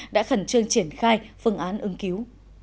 đã khẩn trương triển khai phương án ứng cứu